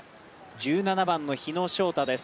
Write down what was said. １７番の日野翔太です。